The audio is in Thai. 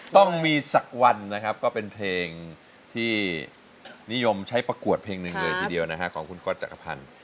ต้องมีสักวันนะครับก็เป็นเพลงที่นิยมใช้ประกวดเพลงหนึ่งเลยทีเดียวนะฮะของคุณก๊อตจักรพันธ์